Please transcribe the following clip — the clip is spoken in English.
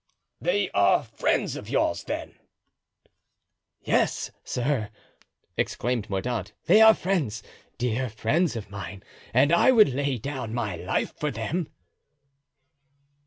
"They are friends of yours, then?" "Yes, sir," exclaimed Mordaunt, "they are friends, dear friends of mine, and I would lay down my life for them."